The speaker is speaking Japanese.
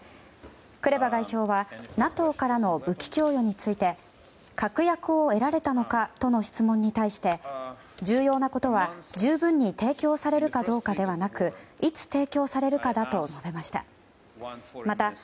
クレバ外相はＮＡＴＯからの武器供与について確約を得られたのかとの質問に対して重要なことは、十分に提供されるかどうかではなくいつ提供されるかだと述べました。